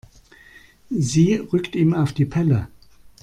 Sie rückt ihm auf die Pelle.